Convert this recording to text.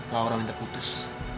laura minta putus